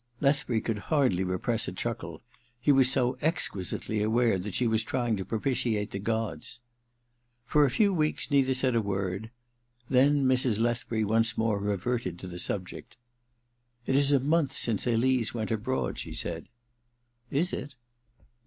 Lethbury could hardly repress a chuckle : he was so exquisitely aware that she was trying to propitiate the gods. For a few weeks neither said ar word ; then Mrs. Lethbury once more reverted to the subject. * It is a month since Elise went abroad,* she said. *Isit?